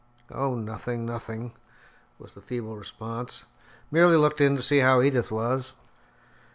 "Oh, nothing, nothing," was the feeble response, "merely looked in to see how Edith was."